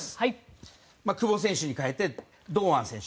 久保選手に代えて堂安選手。